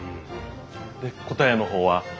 で答えの方は？